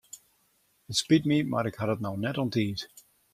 It spyt my mar ik ha it no net oan tiid.